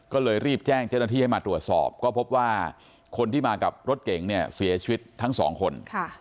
ก็เลยรีบแจ้งเจ้าหน้าที่ให้มาตรวจสอบก็พบว่าคนที่มากับรถเก๋งเนี่ยเสียชีวิตทั้งสองคน